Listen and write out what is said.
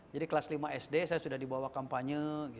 jadi kelas lima sd saya sudah dibawa kampanye